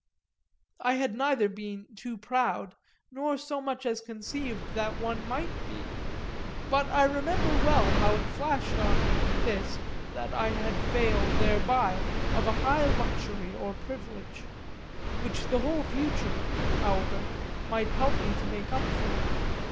I had neither been too proud nor so much as conceived that one might be, but I remember well how it flashed on me with this that I had failed thereby of a high luxury or privilege which the whole future, however, might help me to make up for.